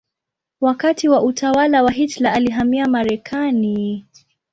Wakati wa utawala wa Hitler alihamia Marekani.